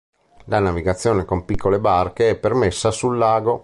La navigazione con piccole barche è permessa sul lago.